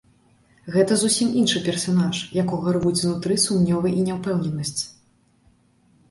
Гэта зусім іншы персанаж, якога рвуць знутры сумневы і няўпэўненасць.